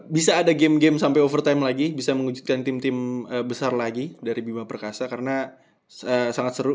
tim tim game sampai overtime lagi bisa mengujudkan tim tim besar lagi dari bima perkasa karena sangat seru